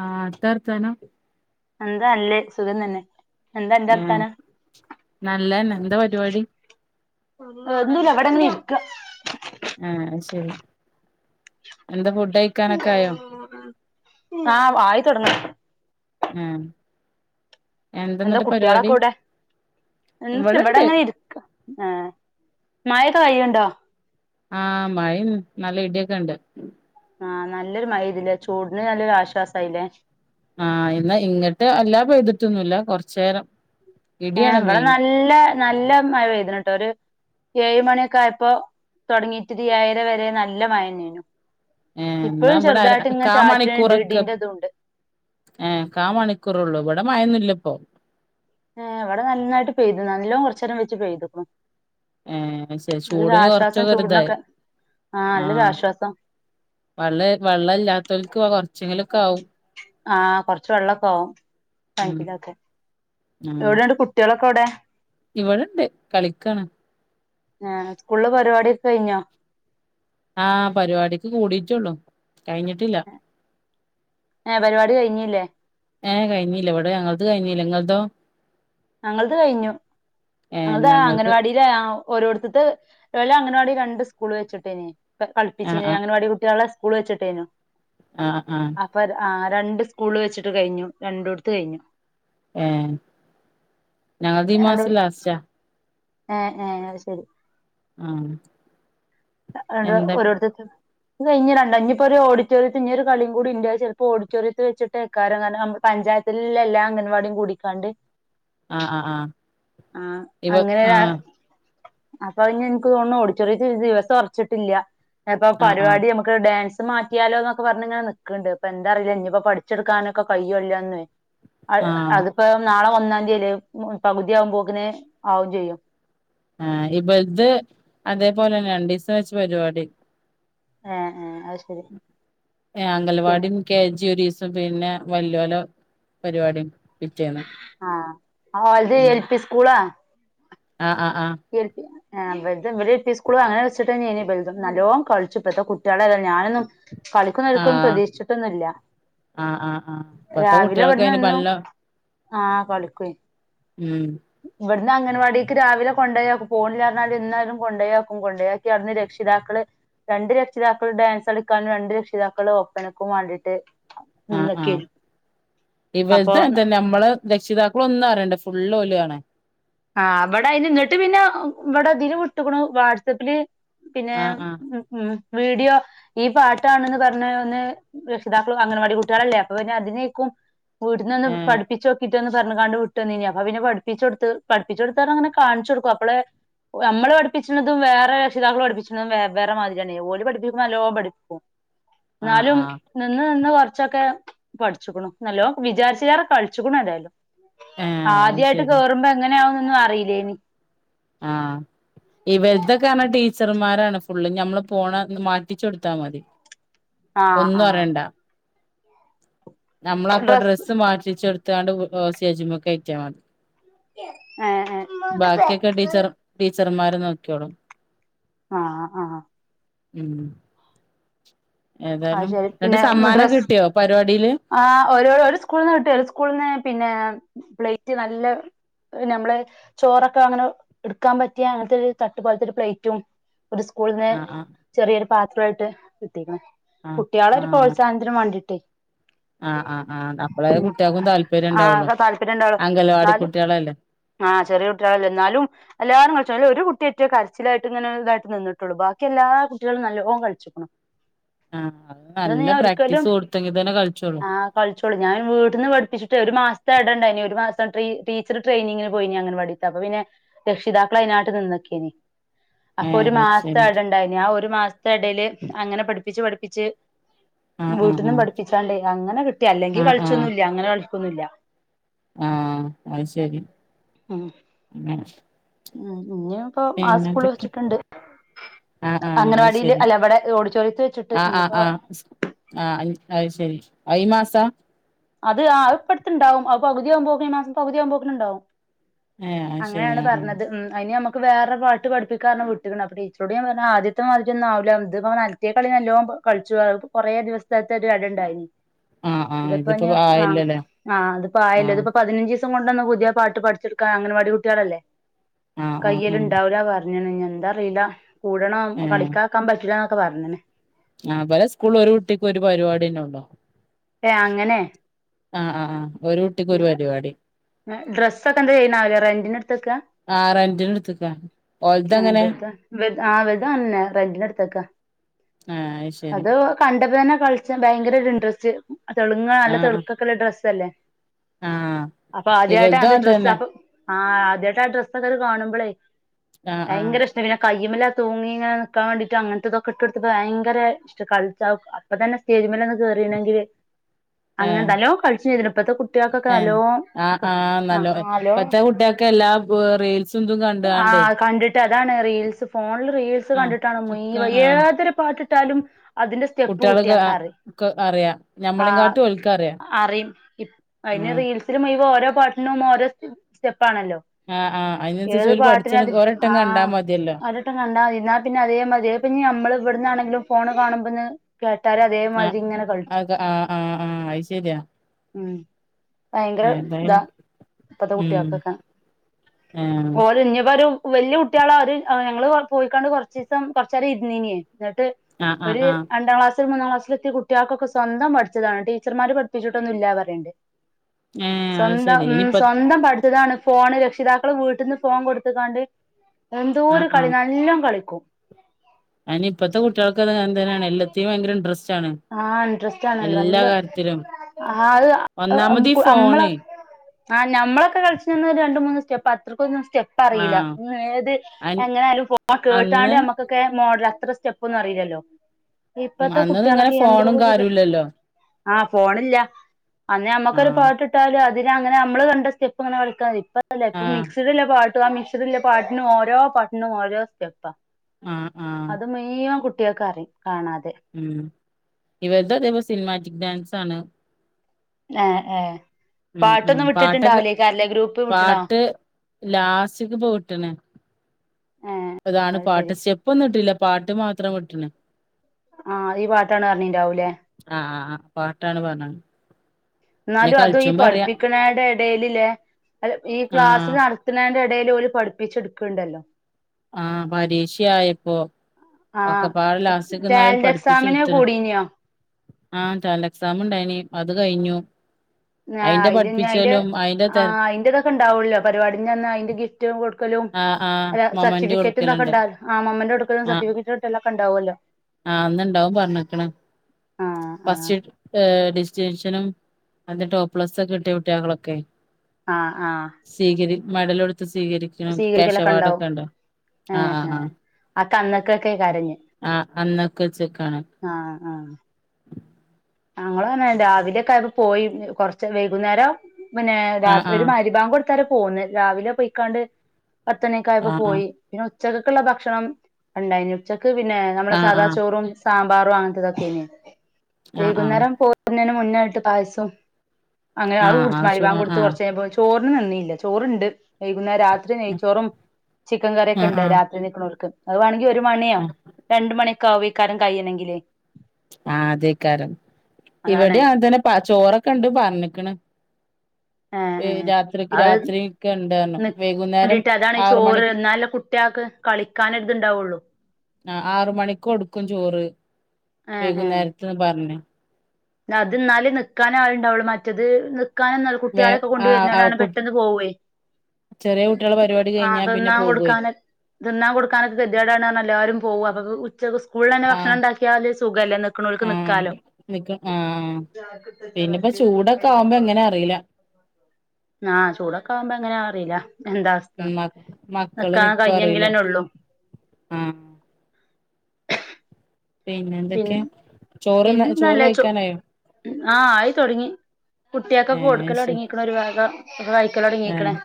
ആ എത്താ വർത്താനം എന്താ നല്ലേ സുഖം തന്നെ. എന്താ അന്റെ ആ വർത്താനം നല്ലന്നെ എന്താ പരിപാടി. ഒന്നുല്ല വിടെങ്ങനെ ഇര്ക്ക- ആഹ് ശരി എന്താ ഫു ആഹ് ആയിതൊട് ഉം എന്താ കുട്ടിളൊക്കെ എഉടെ എന്തുല ഇവടെ ഇവിടെണ്ട് ങ്ങനെ ഇരിക്ക ആഹ് മഴൊക്കെ കഴിയ്യുണ്ടോ ആഹ് മഴയും നല്ല ഇടിയൊക്കെ ഇണ്ട് ആഹ് നല്ലൊരു മഴയ്ത് ലെ ചൂടിന് നല്ലൊരു ആശ്വാസായില്ലേ ആഹ് എന്ന ഇങ്ങട്ട് അല്ലാ പെയ്തിട്ടൊന്നുല്ല കൊർചേരം ഏ ഇവടെ നല്ല നല്ല മഴ പെയ്തിനിട്ട് ഒരു ഏഴ് മണിയൊക്കെ ആയപ്പൊ തുടങ്ങിട്ട് തി ഏയര വരെ നല്ല മഴന്നേഞ്ഞു ഏ എന്നാ ഇവിടെ ചാറ്റണുണ്ട് കാമാണിക്കൂറൊക്കെ ഇടിന്റെ ഇതുണ്ട് ഏ കാമാണിക്കൂറുള്ളൂ ഇവട മയെന്നൂല്ലപ്പൊ ഏ വടെ നന്നായിട്ട് പെയ്തു നല്ലോ കൊർച്ചേരം വെച്ച് പെയ്തു ഏർ ശ ചൂടിന് കൊറച്ചൊക്കെ വറുതായി ചൂടിനൊക്കെ ആഹ് ആ നല്ലൊരു ആശ്വാസം വള്ള വെള്ള ഇല്ലാത്തോൽക്ക് കൊർച്ചെങ്കിലുക്കെ ആവും ആഹ് കൊറച്ച് വെള്ളൊക്കെ ആവും ഉം അഞ്ചിലൊക്കെ എവിടെണ്ട് കുട്ടികളൊ കൊടെ ഇവിട്ണ്ട് കളിക്കാണ് ഏ സ്കൂള് പരിപാടിക്കെ കഴിഞ്ഞോ ആ പരിപാടിക്ക് കൂടിട്ടൊള്ളൂ കഴിഞ്ഞിട്ടില്ല ഏ പരിപാടി കഴിഞ്ഞില്ലേ ഏ കഴിഞ്ഞില്ല ഇവിടെ ഞങ്ങൾക്ക് കഴിഞ്ഞില്ല ഇങ്ങൾതോ ഞങ്ങൾത് കഴിഞ്ഞു ഏഹ് ഞങ്ങൾത് ഞങ്ങളത് അംഗൻവാടിലെ ആ ഓരോട്ത്ത്ത്തഹ് വല്ല അങ്ങനവാടി രണ്ട് സ്കൂള് വെച്ചിട്ടേഞ് കെ ആഹ് കളിപ്പിചിന് ആഹ് അങ്കനവാടി കുട്ട്യളെ കൂള് വെച്ചിട്ടേഞ്ഞു ആഹ് ആഹ് അപ്പത് ആര് രണ്ട് സ്കൂള് വെച്ചിട്ട് കഴിഞ്ഞു രണ്ടുടത്ത് കഴിഞ്ഞു ഏ ഞങ്ങത് ഈ രണ്ട് മാസലാസ്‌റ്റാ ഏ ഏ അത് ശെരി ആ അത് ഓരോരുത്തര് ഇത് കിഞ്ഞരണ്ട് ഇഞ്ഞിപൊരു ഓഡിറ്റോറിയത്ത് ഞ് ഒരു കളിയും കൂടിണ്ട് അത് ചെലപ്പോ ഓഡിറ്റോറിത്തി വച്ചിട്ടയ്കാരം കാര്നാ മ്മ പഞ്ചായത്തിലുള്ള എല്ലാ അംഗൻവാടിം കൂടിക്കാണ്ട് ആ ആ ആ ആ അങ്ങനെ രാ അപ്പൊ അതിനിക്ക് തോന്നു ഓഡിറ്റോറിയത്തി ദിവസം ഒറച്ചിട്ടില്യ അപ്പൊ ആഹ് ആഹ് പരിവാടി അമ്മക്ക് ഡാൻസ് മാറ്റിയാലോ എന്നൊക്കെ പറഞ്ഞഞ് ഇങ്ങനെ നിൽക്ക്ണ്ട് ഇപ്പ എന്താറില്ല ഇനിയിപ്പോ പഠിച്ചെടുക്കാനൊക്കെ കഴിയ്യല്ലോന്ന് അ ആഹ് അതിപ്പോ നാളെ ഒന്ന [unintelligible] ദ്യവുമ്പോക്കനെ ആവു ചെയ്യും ആ ഇ ഇത് അതേപോലെ രണ്ടിസം വെച്ച് പരിവാടി ആഹ ആഹ അത് ശരി ഏ അംഗൽവാടി പിന്നെ യും കെജിയയൊരുസി പിന്നെവല്ല്യേല പരിപാടി ആഹ അത് എൽ പി സ്കൂളാ ആഹ ആ ആഹ ആ ബ്‌ര‌തും ഇവിര് എൽ പി സ്കൂള അങ്ങനെ വെച്ചിട്ട് ഇനി ബ്ര്തും നല്ലോ കളിച്ചപ്പഴത്തെ കുികളെല്ല ഞാനൊന്നും [inaudible] കളിക്കുന്നടുക്കും ആഹ് പ്രതീക്ഷിച്ചിട്ടൊന്നുല്ല ആഹ് ആഹ് ആഹ് ഇപ്പത്തെ രാവിലെ കുട്ടികൾക്ക് എവിടന്ന് അയിന് എന്നും നല്ല ആഹ കളിക്കെയ്ൻ ഉം ഇവിടുന്ന് അംഗൻവാടിക്ക് രാവിലെ കൊണ്ടപോയാക്കും പേണി ലാന്ന് പറഞ്ഞാലും എന്നാലും കൊണ്ടോയാക്കും കൊണ്ടോയാക്കി അന്ന് രക്ഷിതാക്കള് രണ്ട് രക്ഷിതാക്കൾ ഡാൻസ് കളിക്കാനും രണ്ട് രക്ഷിതാക്കള് ഒപ്പനക്കും വേണ്ടിയിട്ട് ആ ആഹ അപ്പൊ ഇവരത് തന്ന നമ്മള് രക്ഷിതാക്കള ഒന്നും അറിയണ്ടേ ഫുൾ ഓല് ആണ്. ആഹ് അവിടെ അതി നിന്നിട്ട് പിന്നെ ഇവിടെ അതിന് വിട്ടക്കണ വാട്സആപ്പില് പിന്നെ ആഹ് ആഹ് ഉം ഉം വീഡിയോ ഈ പാട്ടാണെന്ന് പറഞ്ഞ ഒന്ന് രക്ഷിതാക്കളും അംഗൻവാടി കുട്ടികളല്ലേ അപ്പൊ പിന്നെ അതിനേക്കും വീട്ടു നിന്ന് ഏഹ് പഠിപ്പിച്ച് നോക്കിയിട്ടന്ന് [unintelligible] അപ്പൊ പിന്നെ പഠിപ്പിച്ച് കൊടുത്ത് പഠിപ്പിച്ച് കൊടുത്താര അങ്ങനെ കാണിച്ച് കൊടുക്കും അപ്പോള നമ്മള് പഠിപ്പിച്ചിക്കുന്നതും വേറെ രക്ഷിതാക്കൾ പഠിപ്പിച്ചതും വേ വേറെ മാതിരിയാണ് ഓല് പഠിപ്പിക്കുമ്പോ നല്ലോ പഠിപ്പിക്കും. ആഹ് എന്നാലും ആഹ് നിന്ന് നിന്ന് വ ച്ചൊക്കെ പഠിച്ചുക്ക്ണു നല്ലോ വിചാരിച്ച [unintelligible] കളിച്ചിക്ക്ണു ഏതായാലും ആ ഏഹ് അത് ആദ്യായിട്ട് കേറുമ്പ അങ്ങനന്നൊന്നും അറിയില്ലേനി. ആഹ ഈ വലുതൊക്ക ആണോ ടീ ച്ചർമാരാണ് ഫുള്ള് നമ്മള് പോണ മാറ്റിച്ചെടുത്താ മതി. ആഹ് ഒന്നും ആഹ് അറിയണ്ട. നമ്മള അപ്പ ഡ്രസ്സ് മാറ്റിച്ചടുത്ത് എത്താണ്ട് സ്റ്റേജിമൊക്കെ കെയറ്റിയ മതി. ആഹ ആ ബ [unintelligible] ടീച്ചർമാര് നോക്കിയോളും. ആഹ് ആഹ് ഉം അ ഏതായാലും ശരി എന്നിട്ട് പിന്നെ സമ്മാനം ഡ്രസ് കിട്ടിയോ പരിപാടിയില് ആ ഒരു ഒരു സ്കൂളിൽന്ന് കിട്ടി ഒരു സ്കൂളിൽ നിന്ന് പിന്നെ പ്ലേറ്റ് നല്ല നമ്മളെ ചോറൊക്കെ അങ്ങനെ എടുക്കാൻ പറ്റിയാ അങ്ങനത്തെ ഒരു തട്ട്പോലത്തെരു പ്ലേറ്റും ഒരു സ്കൂളിന്ന് ആഹ് ആഹ് ചെറിയൊരു പാത്ര [unintelligible] ആഹ് കുട്ട്യാളെ ഒരു ആഹ് പ്രോത്സാഹനത്തിനും വേണ്ടീട്ട് ആഹ് ആഹ് ആഹ് അപ്പളേ കുട്ടികൾക്കും താല്പര്യം ആ ഉണ്ടാവുള്ളു താല്പര്യം [unintelligible] അംഗലവാടി ന്നാലും കുട്ടികളല്ലേ ആ ചെറിയ കുട്ട്യാളല്ലേ ന്നാലും എല്ലാരും കളിച്ച [unintelligible] ഒരു കുട്ട്യേറ്റെ കരച്ചിലായിട്ട് ഇങ്ങനെ ളതായിട്ട് നിന്നിട്ടോള്ളൂ ബാക്കി എല്ലാ കുട്ട്യാളും നല്ലോണം കളിചിക്കിണു ആഹ് അത് ഇതൊന്നും നല്ല ഞാൻ ഒരിക്കലും പ്രാക്ടീസ് കൊടുത്തെങ്കി തന്നെ കളിച്ചോളും ആ കളിച്ചോളി ഞാൻ വീട്ടിന്ന് പഠിപ്പിച്ചിട്ടേ ഒരു മാസ തേടേണ്ടനി ഒരു മാസം ടീച്ചർ ട്രെയിനിങ്ങിന് പോയിനി അംഗനവാടീത്തെ അപ്പൊ പിന്നെ രക്ഷിതാക്കൾ അതിനായിട്ട് നിക്കേനി അപ്പൊ ഒരു ഏഹ് അത് മാസത്തെ ശരി എടണ്ടായിന് ആ ഒരു മാസ എടെല് അങ്ങനെ പഠിപ്പിച്ച് പഠിപ്പി പിച്ച് ആഹ് ആഹ് വീട്ടിന്നും ആഹ് പഠിപ്പിച്ചാണ്ടേ അങ്ങനെ കിട്ട്യാ അല്ലെങ്കി കളിച്ചൊന്നുമില്ല അങ്ങനെ കളി ഒന്നുല ആഹ ആയിശേരി ഉം [unintelligible] ഉം ഇനി ഇപ്പോ ആ സ്കൂള് വെച്ചിട്ടുണ്ട് ആഹ് അംഗനവാടിൽ അല്ലവടെ ഓഡിറ്റോറിയത്തിൽ വെച്ചിട്ട ആ ആ ആ ആ അത് ശരി അത് ഈ മാസ അത് ആ ഇപ്പ അടുത്ത ണ്ടാവും പകുതിയാകുമ്പോക്ക് ഈ [unintelligible] പാകുതിയാവുമ്പോക്കുംണ്ടാവും ഏഹ് അത് ശരി അങ്ങനെയാണ് ആഹ് പറഞ്ഞത് ഉം അതിന് നമ്മക്ക് നക്ക് വേറെ പാട്ട് പഠിപ്പിക്കാ പറഞ്ഞ് വിട്ടിക്ണ് അപ്പൊ ടീച്ചറോട് ഞാൻ പറഞ്ഞ് ആദ്യത്തെ മാതിരിന്നുംആ വൂല ഇതിപ്പോ മറ്റേ കളി നല്ലോം കള്ച്ചു കുറേ ദിവസത്തെകത്തെ ഒരു ഇട ഉണ്ടായിന് ആ ആ ഇത് ആ ആ ഇതിപ്പോ ആയല്ലോ ഇതിപ്പോ പതിന ഒറ്റീസം കൊണ്ടൊന്ന് പുതിയ പാട്ട് പഠിച്ചെടുക്കൻ അംഗനവാടികുട്ട്യാളല്ലേ ആഹ് ആഹ് ആഹ് കയ്യലുണ്ടാവൂല പറ [unintelligible] എന്താറീല കൂടണം ഏഹ് കളിക്കാക്കാൻ പറ്റുലാ ഒക്കെ പറഞ്ഞണ്. ആഹ് ഇവലെ സ്കൂളിൽ ഒരു കുട്ടിക്ക് ഒരു പരിപാടിന്നെ ഏ അങ്ങനെ ആ ആ ആ ഒരു കുട്ടിക്ക് ഒരു പരുവാടി. ഡ്രസ്സോക്കെ എന്താ ചെയ്യണേ അവര് റെന്റിന് എട് ആഹ് റെന്റിന് എടുത്ത്ക്കാ [unintelligible] ആ ഓൽതങ്ങനെ ഇവൽതും അ ആ ഇവൽതും അങ്ങനെന്നെ റെന്റിനെടുത്തെക്കാ ആഹ് ശരി അത് കണ്ടപ്പോ തന്നെ കളിച്ചാ ഭയങ്കരൊരു ഇൻട്രസ്റ്റ്. ആ തെളുങ്ങാ അല്ല ആഹ് ആഹ് തെളുക്കോക്കുള്ള ഡ്രസ്സ് അല്ലേ. ആഹ് അപ്പ ആദ്യായിട്ട് ഇവൽതും അത് ഡ്രസ്സ് അതന്നെ അപ്പൊ. ആ ആദ്യായിട്ടാ ആ ഡ്രസ്സൊക്കെ ത് കാണുമ്പളെ. ആഹ് ആഹ് വയങ്കര ഇഷ്ടം ഇങ്ങനെ കൈ [unintelligible] തൂങ്ങിങ്ങ നിൽക്കാൻ വേണ്ടീട്ട് അങ്ങനത്തെതൊക്കെ ഇട്ട് എടുത്ത് വയങ്കര ഇഷ്ട കളിച്ച അപ് അപ്പ തന്നെ സ്റ്റേജിമലന്ന് കേയറയിണെങ്കില്. അങ്ങനെത്തലോ കളിച്ചിതിലും ഇപ്പത്ത കുട് ഏ ആ ആ നല്ലോവൻ നല്ലോം ഇപ്പത്തെ കുട്ടികൾക്കെ എല്ലാ പ് റീൽസും ഇതും കണ്ടു കണ്ടേ റ്റ് അതാണ് റീൽസ് ഫോണില് റീൽസ് കണ്ടിട്ടാണ് മുയിവ ഏതൊരു പാട്ടിട്ടാലും അതിന്റെ സ്റ്റെപ്പ് കുട്ടികൾക്ക് അ കുട്ടിയാക്കറി ക് അറിയാം. ആ അറിയും, ത് അതിന് ഉം റീൽസിൽ മുയി [unintelligible] ഓരോ പാട്ടിനും ഓരോ സ്റ്റ് സ്റ്റെപ് ക്കാണല്ലോ, ആഹ് ആഹ് അയിനനുസരിച്ച് ഏത് ഓല് പഠിച്ചാണ് പാട്ടിനതി ഒരട്ടം ആ കണ്ടാ മതിയല്ലോ ഒരട്ടം കണ്ടാൽ മതി എന്നാ പിന്നെ അതേ മതിരി പിന്ന നമ്മൾ ഇവിടുന്നാണെങ്കിലും ഫോണ് കാണുമ്പന്ന്. കേട്ടാര് അതേ മാതിരി ഇങ്ങനെ കളിക്കും. ആ ആ ആ അത് ശെരിയാ, ഉം എ ഭയങ്കര ഏന്തായാലും ഇതാ ഇപ്പത്തെ മ് കുട്ടികൾക്കൊക്കെ ആ വെല്യ കുട്ടികള അത് അവ ഞങ്ങള് പോയിക്കണ്ട് കുറച്ചീസം കൊറച്ചെരം ഇരുന്നീനേ. എന്നിട്ട് ആഹ് ആഹ് ഒരു ആഹ് രണ്ടാം ക്ലാസ് ത്ര മൂന്നാം ക്ലാസ്സിലെത്യ കുട്ട്യാൾക്കൊക്കെ സ് സ്വന്തം പഠിച്ചതാണ്, ടീച്ചർമാര് പഠിപ്പിച്ചിട്ടൊന്നും ഇല്ല പറയണ്ട്. ഏഹ് അത് സ്വന്തം ശെരി മ് ഇനിപ്പ സ്വന്തം പടുത്തതാണ്. ഫോണ് രക്ഷിതാക്കള് വീട്ട്ന്ന് ഫോൺ കൊടുത്തക്കാണ്ട് എന്തോ ഒരു കളി നല്ലോം കളിക്കും. ഉം അനി ഇപ്പത്ത കുട്ടികൾക്ക് [unintelligible] ആണ്. എല്ലാത്തിനും ഭയങ്കര ഇൻട്രസ് ആഹ ഇൻട്രസ്റ്റ് ആണല്ലോ നല്ല കാര്യത്തിലും ആത് അ ഒന്നാമത് ഈ അമള ഫോണ് ആ നമ്മളൊക്കെ കളിച്ച രണ്ട് മൂന്ന് സ്റ്റെപ് [unintelligible] ചെപ്പ് അറിയില, ആഹ് ങ്ങ്നേത് അൻ എങ്ങനാലും പോ കേട്ടാണ്ട് അന്ന് നമ്മുക്കൊക്കെ മോഡല ത്ര സ്റ്റെപ്പ ന്നും അറിയില്ലല്ലോ ഉം ഇപ്പത്തെ കുട് അന്നൊന്നും ഇങ്ങനെ ഫോണും കാര്യുല്ലല്ലോ ആ ഫോണില്ല അന്നേ നമ്മുക്കൊരു ആഹ് പാട്ടിട്ടാല് അ ദിര അങ്ങനെ അമ്മൾ കണ്ട സ്റ്റെപ്പ്ങ്ങനെളിക്ക പ്പ അല്ലെ ഇപ്പ ആഹ് മിക്സിഡ്ല്ല പാട് പ ആ മിഷ്ട്ള്ള പാട്ടിനും ഓരോ പട്ടിനും ഓരോ സ്റ്റപ്പ ആഹ് ആഹ് അത് മെയം കുട് ട്ട്യേക്കറി കാണാതെ ഇവര്ത അദേ വൊ സിൻമാറ്റിക് ഡാൻസാണ് എ എ ഉം ഉം പാട്ടൊക്കെ ഗ്രൂപ്പ് വിട്ടണോ പാട്ട് ലാസ്റ്റിക്ക് പ്പ വിട്ട്ണ് ഏഹ് പ്പ താണ് അത് ശെരി പാട്ട് സ്റ്റെപ്പൊന്നുംഇട്ടില്ല പാട്ട് മാത്രം വിട്ട്ണ് ആ ഈ പാട്ടാണർഞ്ഞിണ്ടാവൂലേ ആഹ് ആഹ് ആഹ് പാട്ടാണ് പറഞ് ന്നാലും അതു ഈ പഠിപ്പിക്ണേന്റെ ഇടേല് ല്ലെ അ ഈ ക്ലാസ് ആഹ് നടത്ണേന്റെ ഇട ടേല് ഓൽ പഠിപ്പിച്ചെട്ക്ണ്ടല്ലോ ആ പരീക്ഷ ആയപ്പോ ഒക്കെ ആഹ് പാട ലാസ്റ്റ്ക് ന്നാൽ ടാലന്റ് എക്സാമിന് പഠിപ്പിച്ചടുത്ണ് കൂടീനിയോ ആ ട്ടാൽന്റ് എക്സാാം ണ്ടായിഞ്ഞി ത് കഴിഞ്ഞു ആ അയിന്റെ അയില് ഞ് അയിന്റെ പഠിപ്പിച്ചലും അയിന്റെ ആ തെ ഐന്റെതൊക്കെ ണ്ടാവൊല്ലോ പരിപാടിന്റെന്ന് അയിന്റെ ഗിഫ്റ്റും കൊടു ക്കലും ആഹ് ആഹ് മൊമന്റ് സർട്ടിഫിക്കറ്റും തൊക്കെ കൊടുക്കലുണ്ട് ഉണ്ടാ മോമെന്റാടുക്കലും സർട്ടിഫിക്കറ്റ്ടുക്കല ക്ക ണ്ടാവുമല്ലോ ആന്ന് ണ്ടാവും പറഞ്ക്ണ് ആഹ് ആഹ് ഫസ്റ്റ് ഡിസ്റ്റിൻഷനും അതി ടോപ്പ് പ്ലസ്ക്കെ കിട്ടിയ കുട്ട്യേളൊക്കെ ആ ആ മഡലൊടുത്ത് സ്വീകരിക്കണം ഇണ്ടാവും കേശവാടൊക്കെണ്ടോ ആ ഏഹ് ആ ഏഹ് അതൊക്കെ അന്നക്കൊക്കെ കരഞ്ഞ് ആ അ അന്നേക്കെച്ക്കാണോ ആ [unintelligible] രാവിലക്കെ അ പോയി കൊറച്ച് വൈകുന്നേരം പിന്നെ ആഹ് രാത്രി ഒരു ആഹ് മരിബാ കൊടു [unintelligible] പോന്ന് രാവിലെ പോയിക്കാണ്ട് പത്ത് മണിക്കായ്പ്പ ആഹ് പോയി പിന്ന ഉച്ചതക്കുള്ള ഭക്ഷണം ഇണ്ടായി ഉച്ച [unintelligible] പിന്നെ നമ്മളെ ആഹ് ആഹ് സാദാ ആഹ് ചോറും സാമ്പാറു അങ്ങനെത്തെ തക്കൊയിന് ആഹ് ആഹ് വൈകുന്നേരം പോരുന്നേനും മുന്നായിട്ട് പായസം അങ്ങനെ അത് ആഹ് കുടിച്ചു, ആഹ് ശോ [unintelligible] ആഹ് കൊടുത്തു ആഹ് കുറച്ച് കഴിഞ്ഞപ്പോ ചോറ് ഒന്നും നന്ദിയില്ല ചോറുണ്ട് [unintelligible] ന്ന രാത്രി നെയ്ച്ചോറും ചിക്കൻ കറിയൊക്കെ ആഹ് ഉണ്ട്, ആഹ് രാത്രി നിൽക്കുന്നവർക്ക്. അത് വേണെങ്കി മണിയോ ആഹ് രണ്ട് മണി കവിക്കാരും കഴിയ്യണെങ്കിലേ ആ അതെ [unintelligible] അതാണ് ഇവിടെയത് തന്നെ പ ചോറൊക്കെ ഉണ്ട് പറഞ്ഞിക്കണ് ഏഹ് ഏഹ് രാത്രിക്ക്, അത് രാത്രിക്കെ [unintelligible] ഇണ്ട്റഞ്ഞു വൈകുന്നേരം വേണ്ടിട്ട് അതാണ് ഈ ആറ് മണി ചോറ് എന്നാല് കുട്ടികൾക്ക് കളിക്കാനൊരിത്ണ്ടാവുള്ളു. ആ ആറ് മണിക്ക് കൊടുക്കും ചോറ് ഏഹ് ഏഹ് വൈകുന്നേരത്ത്ന്ന് പറഞ്ഞ് അത് എന്നാലെ നിക്കാൻ ആളുണ്ടാവുള്ളൂ, മറ്റത് [unintelligible] വേ കുട്ടികളെൊക്കെ ആ ആ കൊണ്ടുവരുന്നാലാണ് കു പെട്ടെന്ന് പോവേ, ചെറിയ കുട്ടികളെ പരിപാടി ആ കഴിഞ്ഞാ പിന്നെ തിന്നാൻ പോകുവേ കൊടുക്കാന്, തിന്നാൻ കൊടുക്കാനൊക്കെ ഗതികേട് കാരണം എല്ലാവാരും പോവാ [unintelligible] [unintelligible] സ്കൂളിൽ തന്നെ ആഹ് ഭക്ഷണം ഉണ്ടാക്കിയാല് സുഖല്ലേ, നിൽക്കണവർക്ക് ആഹ് നിൽക്കാലോ നിക്ക ആഹ് പിന്നെപ്പോ ചൂടൊക്കെ ആവുമ്പോ എങ്ങനെ അറിയില്ല ആ ചൂടൊക്കെ ആവുമ്പോങ്ങനാ അറിയില്ല എന്താ അവസ്ഥ, ഉം മ മക്കള് [unintelligible] നിക്കോ അറിയില്ല കഴിഞ്ഞെങ്കിലന്നെ ഉള്ളു ആഹ് പിന്നെ എന്തൊക്കെയാ ചോറ് ന്ന ചോറ് കഴിക്കാനായോ ആ, ആയിത്തൊടങ്ങി കുട്ടിയക്കൊക്കെ ഏഹ് കൊടുക്കല് ശരി തുടങ്ങീക്കണ്. ഒരു വേഗം കഴിക്കല് തുടങ്ങീക്കണ്, ഏഹ്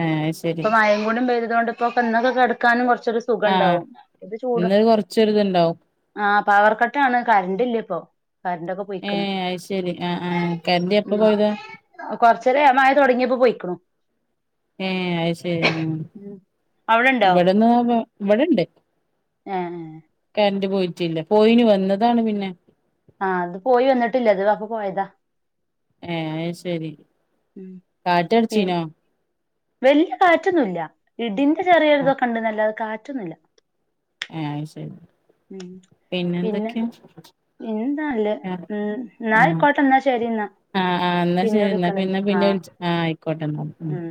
ഏഹ് ശരി ഇപ്പൊ മഴേം കൂടെം പെയ്ത് അതൊണ്ടിപ്പോ [unintelligible] കെടക്കാനും കുറ ആ, ഇന്ന് കൊറച്ചൊരിതുണ്ടാവും ആ പവർ കട്ടാണ് കരണ്ടില്ല ഇപ്പൊ കറണ്ടൊക്കെ പോയിക്കണ് ഏഹ് അയ്ശെരി അ ആ കറന്റ് എപ്പ പോയതാ. ഇന്നലെ മയ തൊടങ്ങിയപ്പോ പോയിക്കണു ഏഹ് അയ്ശെരി ആഹ് ഉം അവിടെണ്ടോ ഇവിടുന്ന് ഇവിടിണ്ട് ഏ കറന്റ് പോയിട്ടില്ല. പോയീന് വന്ന് അന്താണ് പിന്നെ ആ അത് പോയി വന്നിട്ടില്ല അത് അപ്പം പോയതാ ഏഹ് ശെരി ഉം പിന്ന കാറ്റടിച്ചീനോ വല്യ കാറ്റൊന്നുല്ല ഇടിൻ ചെറിയൊരു ഇതൊക്കെയുണ്ടന്നല്ലാതെ കാ പറ്റുന്നില്ല ആ ശെരി പിന്നെ എന്താല്ലെ ആ ഉം ആ എന്നായിക്കോട്ടെ എന്നാ ശെരി എന്നാ ആ ആ എന്നാ പിന്നെ ശെരി എന്നാ വിളിക്കണ് പിന്നെ ആ പിന്നെ വിളിച്ച ആയിക്കോട്ടെ എന്നാ ഉം.